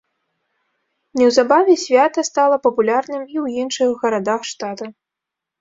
Неўзабаве свята стала папулярным і ў іншых гарадах штата.